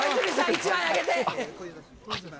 １枚あげて。